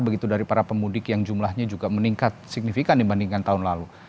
begitu dari para pemudik yang jumlahnya juga meningkat signifikan dibandingkan tahun lalu